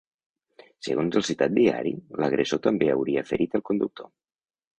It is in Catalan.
Segons el citat diari, l’agressor també hauria ferit el conductor.